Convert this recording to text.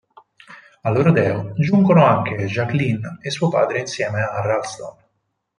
Al rodeo giungono anche Jacqueline e suo padre insieme a Ralston.